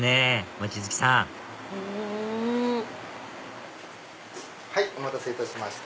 望月さんお待たせいたしました。